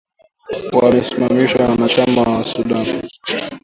Wamesimamisha uanachama wa Sudan